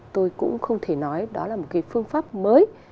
tôi cũng không thể nói đó là một cái phương pháp mới